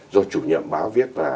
do chủ nhiệm báo viết là